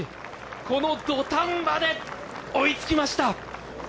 この土壇場で追いつきました。